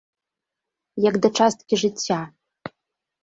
Як да часткі жыцця.